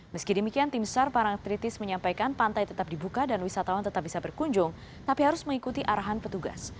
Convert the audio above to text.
meski demikian tim sar parang tritis menyampaikan pantai tetap dibuka dan wisatawan tetap bisa berkunjung tapi harus mengikuti arahan petugas